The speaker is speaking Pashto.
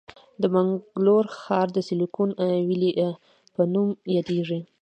د بنګلور ښار د سیلیکون ویلي په نوم یادیږي.